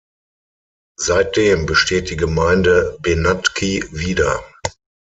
Seitdem besteht die Gemeinde Benátky wieder.